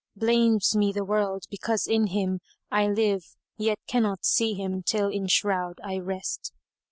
Blames me the world because in him[FN#173] I live * Yet cannot see him till in shroud I rest.